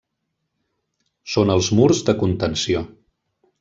Són els murs de contenció.